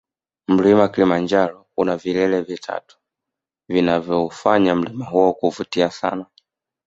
mlima kilimanjaro una vilele vitatu vinavyoufanya mlima huo kuvutia sana